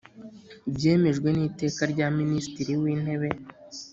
byemejwe n Iteka rya Minisitiri w Intebe